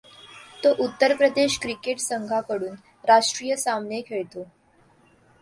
तो उत्तर प्रदेश क्रिकेट संघाकडून राष्ट्रीय सामने खेळतो.